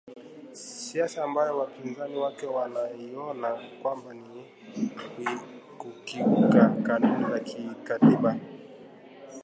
siasa ambayo wapinzani wake wanaiona kwamba ni kukiuka kanuni za kikatiba